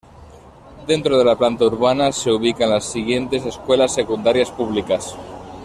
Dentro de la planta urbana se ubican las siguientes escuelas Secundarias públicas.